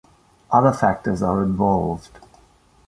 Other factors are involved.